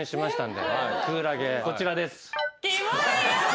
こちらです。